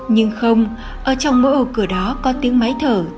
nhưng không ở trong mỗi ô cửa đó có tiếng máy thở